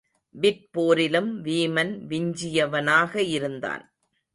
விற்போரிலும் வீமன் விஞ்சியவனாக இருந்தான்.